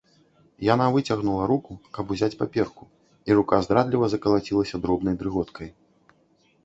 Яна выцягнула руку, каб узяць паперку, і рука здрадліва закалацілася дробнай дрыготкай.